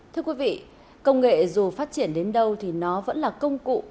thưa quý vị công nghệ dù phát triển đến đâu thì nó vẫn là công cụ